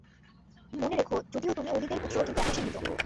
মনে রেখো, যদিও তুমি ওলীদের পুত্র কিন্তু এখন সে মৃত।